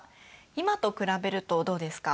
今と比べるとどうですか？